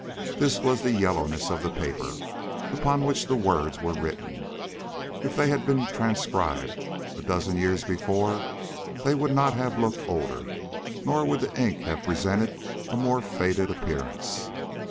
This was the yellowness of the paper upon which the words were written. If they had been transcribed a dozen years before, they would not have looked older, nor would the ink have presented a more faded appearance.